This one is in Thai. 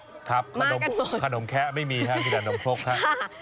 ครับขนมแคะไม่มีค่ะมีแต่ขนมครกค่ะ